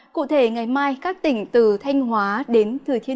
cụ thể ngày mai các tỉnh từ thanh hóa đến thừa thiên